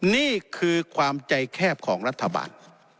นี่คือความใจแคบของรัฐบาล